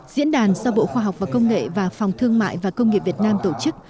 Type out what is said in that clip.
diễn đàn do bộ khoa học và công nghệ và phòng thương mại và công nghiệp việt nam tổ chức